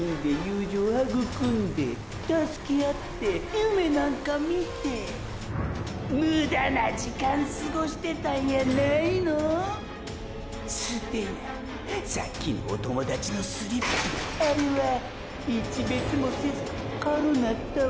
夢なんか見てえ無駄な時間すごしてたんやないの⁉捨てなさっきのお友達のスリップあれは一瞥もせず「軽なったわ」